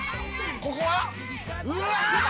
ここは。うわ！